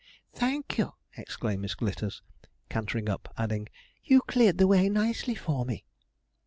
'Thank you!' exclaimed Miss Glitters, cantering up; adding, 'you cleared the way nicely for me.'